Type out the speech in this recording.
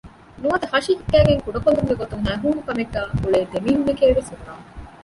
ނުވަތަ ހަށި ހިއްކައި ކުޑަކޮށްލުމުގެ ގޮތުން ހައިހޫނުކަމެއްގައި އުޅޭ ދެމީހުންނެކޭ ވެސް ނުބުނާނެ